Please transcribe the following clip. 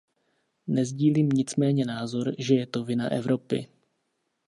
Nesdílím nicméně názor, že je to vina Evropy.